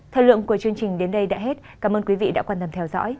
thời lượng của chương trình đến đây đã hết cảm ơn quý vị đã quan tâm theo dõi